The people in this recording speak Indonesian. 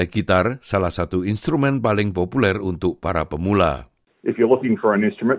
gitar sekolah anda secara langsung